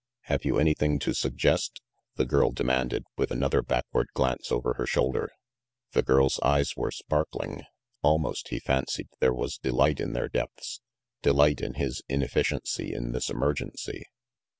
"Have you anything to suggest?" the girl demanded, with another backward glance over her shoulder. 354 RANGY PETE The girl's eyes were sparkling. Almost, he fancied, there was delight in their depths, delight in his inefficiency in this emergency.